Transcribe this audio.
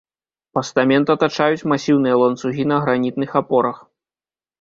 Пастамент атачаюць масіўныя ланцугі на гранітных апорах.